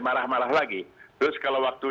marah marah lagi terus kalau waktu